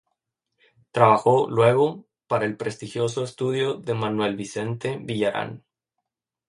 Trabajó, luego, para el prestigioso estudio de Manuel Vicente Villarán.